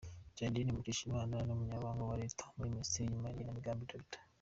Gerardine Mukeshimana, n’Umunyamabanga wa Leta muri Minisiteri y’Imari n’igenamigambi Dr.